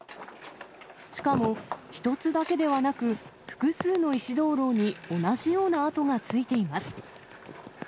しかも、１つだけではなく、複数の石灯籠に同じような跡がついています。